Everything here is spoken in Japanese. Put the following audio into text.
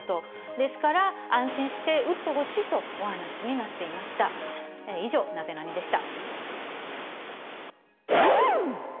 ですから、安心して打ってほしいとお話になっていました。